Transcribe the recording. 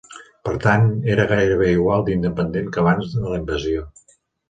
Per tant, era gairebé igual d'independent que abans de la invasió.